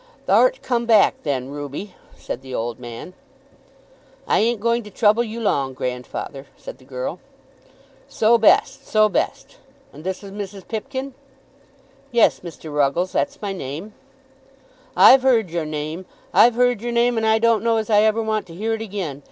"Thou'rt come back then, Ruby," said the old man. "I ain't going to trouble you long, grandfather," said the girl. "So best; so best. And this is Mrs. Pipkin?" "Yes, Mr. Ruggles; that's my name." "I've heard your name. I've heard your name, and I don't know as I ever want to hear it again.